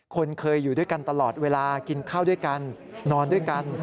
คนเคยอยู่ด้วยกันตลอดเวลากินข้าวด้วยกันนอนด้วยกัน